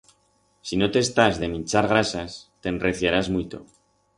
Si no t'estás de minchar grasas, t'enreciarás muito.